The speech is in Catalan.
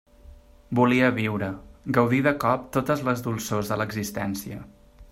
Volia viure, gaudir de colp totes les dolçors de l'existència.